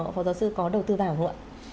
phó giáo sư có đầu tư vào không ạ